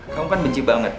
kamu kan benci banget